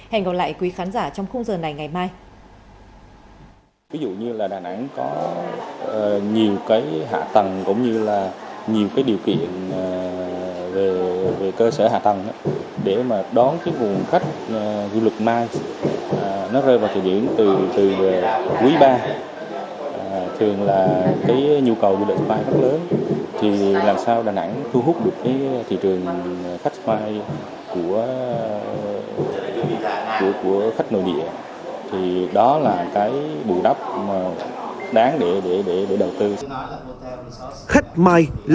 hẹn gặp lại quý khán giả trong khung giờ này ngày mai